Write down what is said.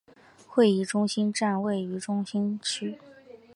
会议中心站位于中山区。